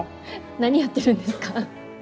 何やってるんですか？